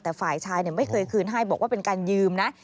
แต่ฝ่ายชายไม่เคยคืนให้บอกว่าเป็นการยืมนะ